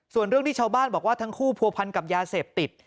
ส่วนเรื่องที่ชาวบ้านบอกว่าทั้งคู่ผัวพันกับยาเสพติด